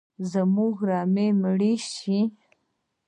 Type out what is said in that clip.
زموږ رمې مړي شي